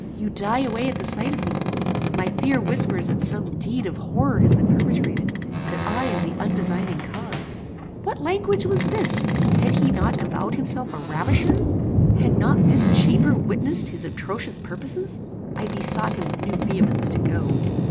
You die away at the sight of me! My fear whispers that some deed of horror has been perpetrated; that I am the undesigning cause." What language was this? Had he not avowed himself a ravisher? Had not this chamber witnessed his atrocious purposes? I besought him with new vehemence to go.